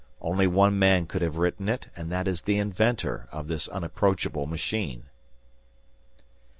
Only one man could have written it; and that is the inventor of this unapproachable machine."